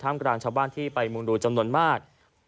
ท่ามกราญชาวบ้านที่ไปมรูจำนวนมาก